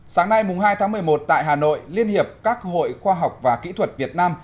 sáng nay hai tháng một mươi một tại hà nội liên hiệp các hội khoa học và kỹ thuật việt nam